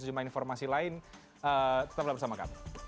terima kasih banyak